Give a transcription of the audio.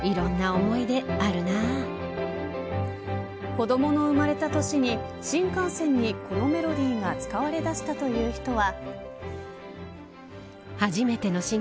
子どもの生まれた年に新幹線に、このメロディーが使われだしたという人は。